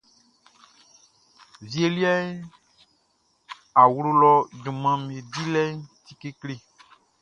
Wie liɛʼn, awlo lɔ junmanʼm be dilɛʼn ti kekle.